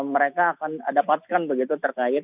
mereka akan dapatkan begitu terkait